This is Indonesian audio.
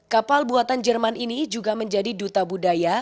kapal buatan jerman ini juga menjadi duta budaya